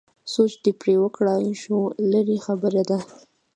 سوچ دې پرې وکړای شو لرې خبره ده.